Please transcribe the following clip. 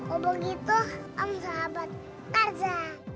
oh begitu om sahabat kerja